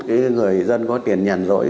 những người dân có tiền nhần rỗi